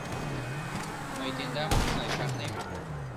— Мый тендам сай шарнем.